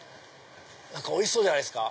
何かおいしそうじゃないですか。